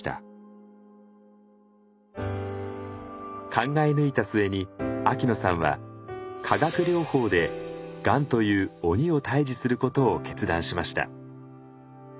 考え抜いた末に秋野さんは化学療法でがんという鬼を退治することを決断しました。